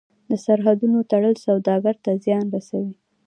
د سرحدونو تړل سوداګر ته زیان دی.